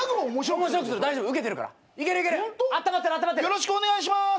よろしくお願いします。